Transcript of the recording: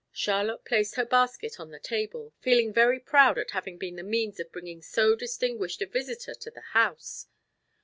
Charlotte placed her basket on the table, feeling very proud at having been the means of bringing so distinguished a visitor to the house.